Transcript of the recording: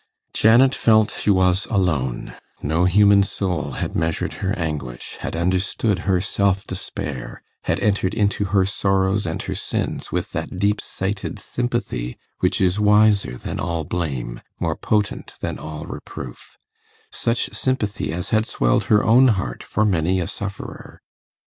Janet felt she was alone: no human soul had measured her anguish, had understood her self despair, had entered into her sorrows and her sins with that deep sighted sympathy which is wiser than all blame, more potent than all reproof such sympathy as had swelled her own heart for many a sufferer.